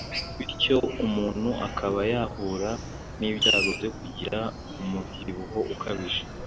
bityo umuntu akaba yahura n’ibyago byo kugira umubyibuho ukabije